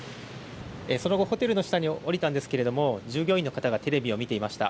その後、ホテルの下に下りたんですけれども、従業員の方がテレビを見ていました。